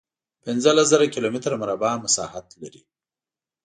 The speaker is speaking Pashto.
پنځلس زره کیلومتره مربع مساحت لري.